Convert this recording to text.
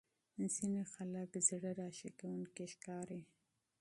ځینې خلک زړه راښکونکي ښکاري.